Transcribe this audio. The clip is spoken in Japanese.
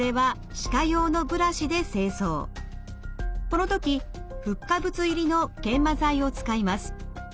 この時フッ化物入りの研磨剤を使います。